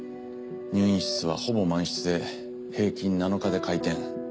入院室はほぼ満室で平均７日で回転。